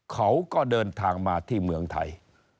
เขาก็เดินทางมาที่เมืองไทย